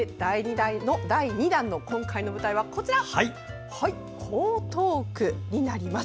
第２弾の今回の舞台は江東区です。